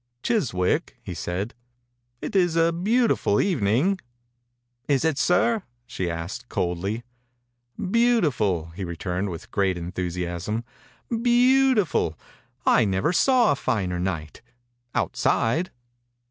« Chiswick," he said, " it is a beautiful evening.*' "Is it, sir?" she asked, coldly. « Beautiful," he returned with great enthusiasm. « Beautiful I I never saw a finer night — out side."